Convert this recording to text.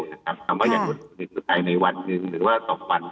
แสดงว่าอย่างรดอย่างรดเหลือตายในวันหนึ่งหรือว่าสองวัน